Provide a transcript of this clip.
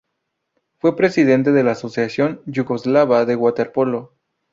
Fue presidente de la Asociación yugoslava de waterpolo.